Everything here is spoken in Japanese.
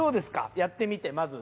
やってみてまず。